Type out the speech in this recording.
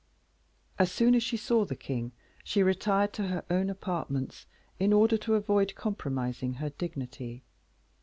As soon as she saw the king, she retired to her own apartments, in order to avoid compromising her dignity.